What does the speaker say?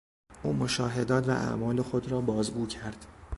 او مشاهدات و اعمال خود را بازگو کرد.